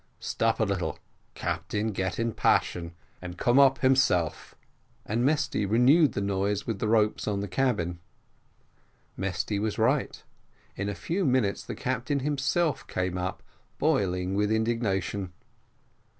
Stop a little captain get in passion, and come up himself." And Mesty renewed the noise with the ropes over the cabin. Mesty was right; in a few minutes the captain himself came up, boiling with indignation.